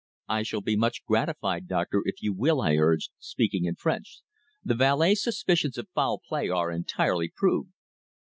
"I shall be much gratified, doctor, if you will," I urged, speaking in French. "The valet's suspicions of foul play are entirely proved."